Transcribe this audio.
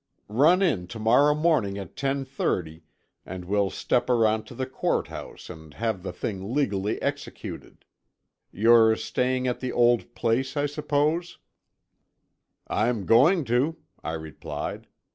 Run in to morrow morning at ten thirty, and we'll step around to the courthouse and have the thing legally executed. You're staying at the old place, I suppose?" "I'm going to," I replied.